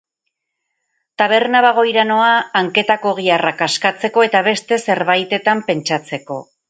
Taberna-bagoira noa hanketako giharrak askatzeko eta beste zerbaitetan pentsatzeko.